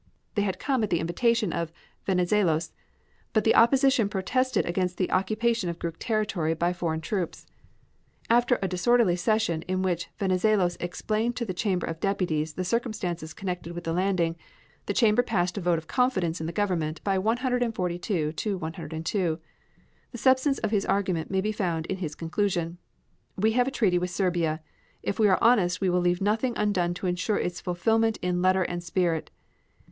They had come at the invitation of Venizelos, but the opposition protested against the occupation of Greek territory by foreign troops. After a disorderly session in which Venizelos explained to the Chamber of Deputies the circumstances connected with the landing, the Chamber passed a vote of confidence in the Government by 142 to 102. The substance of his argument may be found in his conclusion: "We have a treaty with Serbia. If we are honest we will leave nothing undone to insure its fulfillment in letter and spirit.